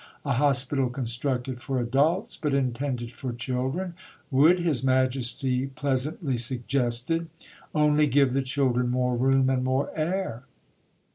A hospital, constructed for adults, but intended for children, would, His Majesty pleasantly suggested, "only give the children more room and more air."